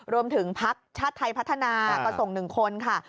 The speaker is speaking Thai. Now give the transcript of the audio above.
รวมถึงพักษ์ชาติไทยพัฒนาก็ส่งหนึ่งคนค่ะ